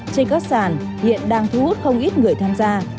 trên các sản hiện đang thu hút không ít người tham gia